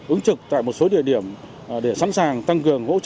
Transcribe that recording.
ứng trực tại một số địa điểm để sẵn sàng tăng cường